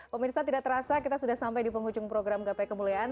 pemirsa tidak terasa kita sudah sampai di penghujung program gapai kemuliaan